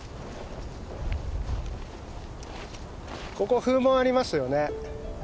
ここ風紋ありますよね。